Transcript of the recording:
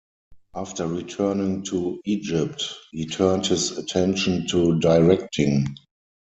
After returning to Egypt, he turned his attention to directing.